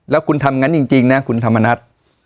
แล้วคุณทำงั้นจริงนะคุณธรรมนัฐ